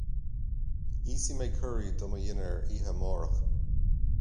Íosfaidh mé curaí do mo dhinnéar oíche amárach.